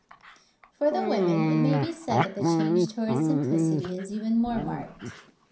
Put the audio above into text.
For the women, it may be said that the change towards simplicity is even more marked.